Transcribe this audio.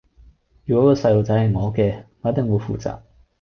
如果個細路仔係我嘅，我一定會負責